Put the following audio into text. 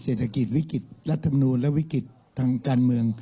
เศรษฐกิจวิกฤตรัฐมนูลและวิกฤตทางการเมือง